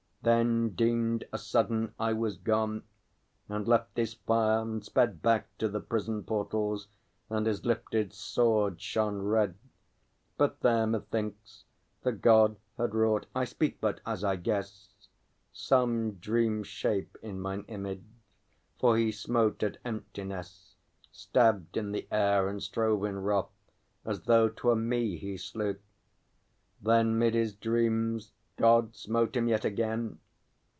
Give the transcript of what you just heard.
Then deemed a sudden I was gone; and left his fire, and sped Back to the prison portals, and his lifted sword shone red. But there, methinks, the God had wrought I speak but as I guess Some dream shape in mine image; for he smote at emptiness, Stabbed in the air, and strove in wrath, as though 'twere me he slew. Then 'mid his dreams God smote him yet again!